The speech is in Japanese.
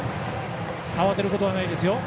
慌てることはないですよ。